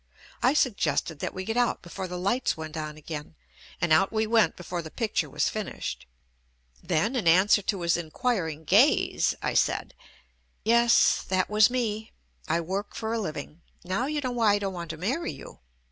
I suggested that we get out before the lights went on again, and out we went before the picture was finished. Then in answer to his inquiring gaze, I said, "Yes, that was me, I work for a living. Now you know why I don't want to marry you."